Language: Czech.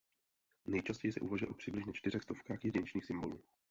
Nejčastěji se uvažuje o přibližně čtyřech stovkách jedinečných symbolů.